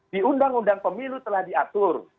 di undang undang pemilu telah diatur